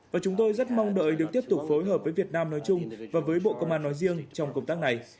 và chúng tôi rất mong đợi được tiếp tục phối hợp với việt nam nói chung và với bộ công an nói riêng trong công tác này